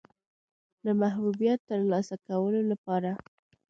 د محبوبیت د ترلاسه کولو لپاره.